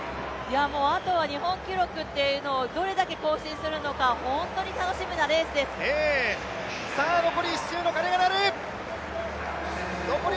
あとは日本記録をどれだけ更新するのか、本当に楽しみなレースです残り１周の鐘が鳴る。